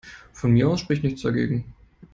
Von mir aus spricht nichts dagegen.